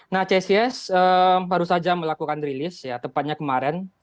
nah csis baru saja melakukan rilis ya tepatnya kemarin